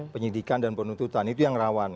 penyidikan dan penuntutan itu yang rawan